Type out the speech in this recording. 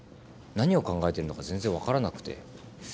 何を考えてるのか全然分からなくて。